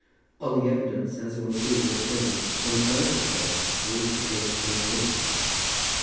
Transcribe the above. On the evidence, as one sees it at present, one is bound to say that it is a case for a jury."